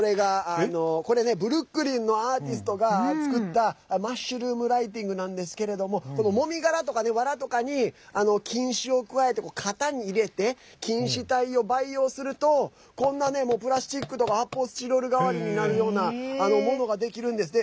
これね、ブルックリンのアーティストが作ったマッシュルームライティングなんですけれどももみ殻とか、わらとかに菌糸を加えて、型に入れて菌糸体を培養するとこんなね、プラスチックとか発泡スチロール代わりになるようなものができるんです。